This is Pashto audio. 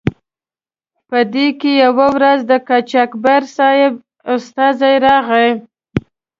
په دې کې یوه ورځ د قاچاقبر صاحب استازی راغی.